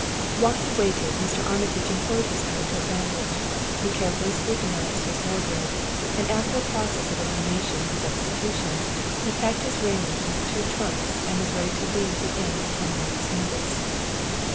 While he waited, Mr. Armitage employed his time to advantage. He carefully scrutinized his wardrobe, and after a process of elimination and substitution he packed his raiment in two trunks and was ready to leave the inn at ten minutes' notice.